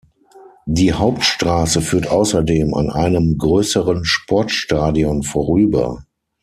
Die Hauptstraße führt außerdem an einem größeren Sportstadion vorüber.